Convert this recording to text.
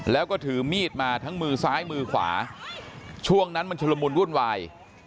แล้วก็ถือมีดมาทั้งมือซ้ายมือขวาช่วงนั้นมันชุลมุนวุ่นวาย